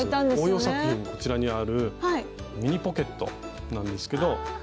こちらにあるミニポケットなんですけど。